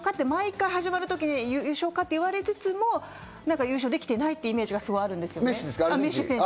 毎回始まるときに、優勝かと言われつつも、優勝できてないというイメージがあるんです、メッシ選手。